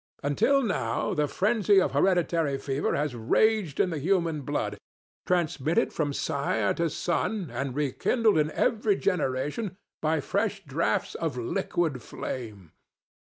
Until now the frenzy of hereditary fever has raged in the human blood, transmitted from sire to son and rekindled in every generation by fresh draughts of liquid flame.